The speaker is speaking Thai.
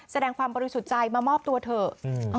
แสดงความบริสุทธิ์ใจมามอบตัวเถอะ